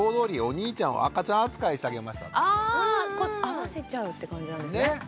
あ合わせちゃうって感じなんですね。